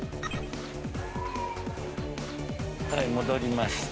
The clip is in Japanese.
はい戻りました。